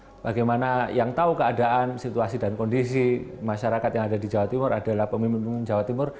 jadi jawaban bagaimana yang tahu keadaan situasi dan kondisi masyarakat yang ada di jawa timur adalah pemimpin jawa timur